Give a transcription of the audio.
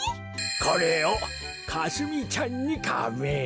これをかすみちゃんにカメ！